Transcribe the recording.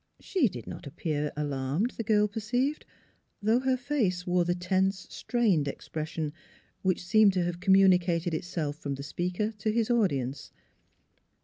She did not appear alarmed, the girl perceived, though her face wore the tense, strained expres sion which seemed to have communicated itself from the speaker to his audience.